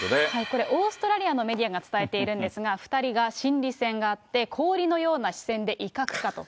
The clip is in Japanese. これ、オーストラリアのメディアが伝えているんですが、２人が心理戦があって、氷のような視線で威嚇かと。